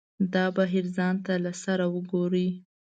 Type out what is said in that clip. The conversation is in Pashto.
دا بهیر ځان ته له سره وګوري.